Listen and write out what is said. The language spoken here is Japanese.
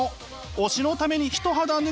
推しのために一肌脱ぐ